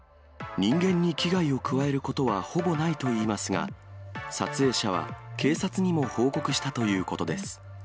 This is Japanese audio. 人間に危害を加えることはほぼないといいますが、撮影者は、警察にも報告したということです。